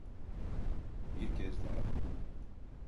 Bir kez daha.